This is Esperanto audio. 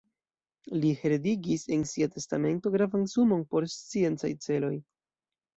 Li heredigis en sia testamento gravan sumon por sciencaj celoj.